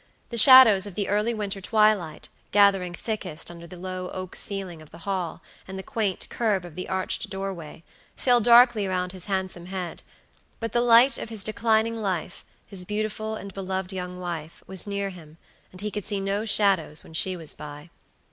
The shadows of the early winter twilight, gathering thickest under the low oak ceiling of the hall, and the quaint curve of the arched doorway, fell darkly round his handsome head; but the light of his declining life, his beautiful and beloved young wife, was near him, and he could see no shadows when she was by.